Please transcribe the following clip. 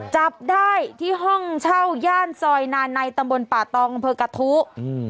จับได้ที่ห้องเช่าย่านซอยนานในตำบลป่าตองอำเภอกระทู้อืม